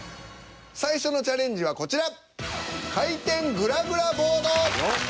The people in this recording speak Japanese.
最初のチャレンジはこちら。